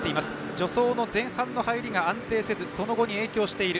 助走の前半の入りが安定せずその後に影響している。